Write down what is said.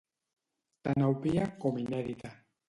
Tan òbvia com inèdita.